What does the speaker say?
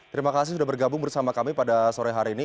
terima kasih sudah bergabung bersama kami pada sore hari ini